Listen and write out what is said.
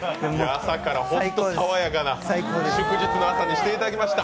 朝から本当に爽やかな祝日の朝にしていただきました。